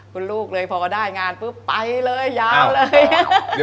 คุณลูกเลยพอก็ได้งานปุ๊บไปเลยยาวเลย